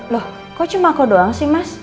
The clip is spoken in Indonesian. loh kok cuma kau doang sih mas